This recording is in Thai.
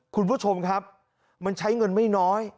คุณผู้ชมครับมันใช้เงินไม่น้อย